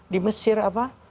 di mesir apa